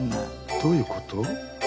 どういうこと？